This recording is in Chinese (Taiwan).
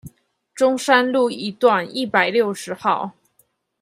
中山路一段一百六十號